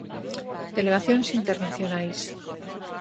Delegacións internacionais.